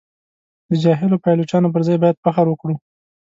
د جاهلو پایلوچانو پر ځای باید فخر وکړو.